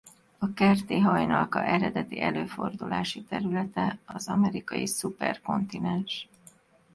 A kerti hajnalka eredeti előfordulási területe az amerikai szuperkontinens.